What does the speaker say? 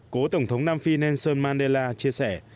cố tổng thống nam phi nelson mandela chia sẻ